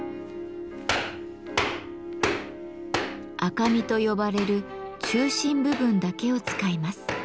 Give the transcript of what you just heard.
「赤身」と呼ばれる中心部分だけを使います。